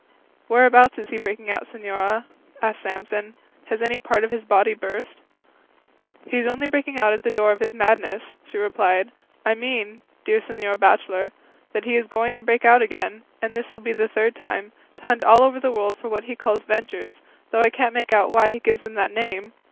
"Whereabouts is he breaking out, señora?" asked Samson; "has any part of his body burst?" "He is only breaking out at the door of his madness," she replied; "I mean, dear señor bachelor, that he is going to break out again (and this will be the third time) to hunt all over the world for what he calls ventures, though I can't make out why he gives them that name.